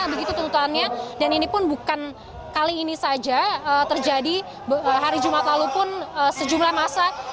begitu tuntutannya dan ini pun bukan kali ini saja terjadi hari jumat lalu pun sejumlah masa